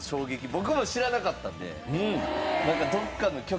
僕も知らなかったんで。